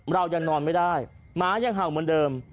เรายังนอนไม่ได้หมายังเห่าเหมือนเดิม